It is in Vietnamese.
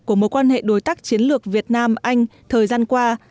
của mối quan hệ đối tác chiến lược việt nam anh thời gian qua